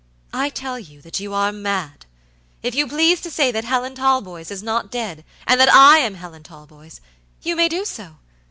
I tell you that you are mad! If you please to say that Helen Talboys is not dead, and that I am Helen Talboys, you may do so.